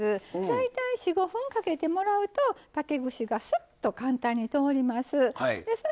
大体４５分かけてもらうと竹串がスッと簡単に通ります。